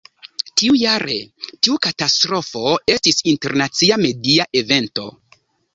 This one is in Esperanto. Tiujare, tiu katastrofo estis internacia media evento.